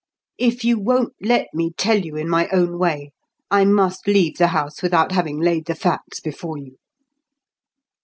If you won't let me tell you in my own way, I must leave the house without having laid the facts before you."